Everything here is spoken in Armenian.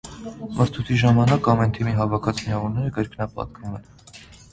Մրցույթի ժամանակ ամեն թիմի հավաքած միավորները կրկնպատկվում են։